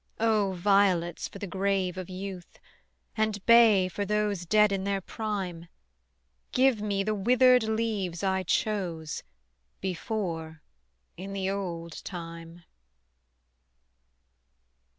O violets for the grave of youth, And bay for those dead in their prime; Give me the withered leaves I chose Before in the old time.